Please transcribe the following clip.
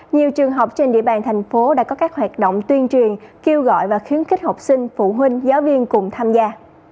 nhiều trường học trên địa bàn thành phố đã có các hoạt động tuyên truyền kêu gọi và khuyến khích học sinh phụ huynh giáo viên cùng tham gia